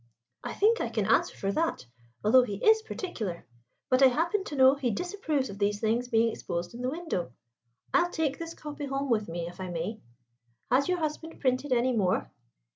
"I think I can answer for that, although he is particular. But I happen to know he disapproves of these things being exposed in the window. I'll take this copy home with me, if I may. Has your husband printed any more?"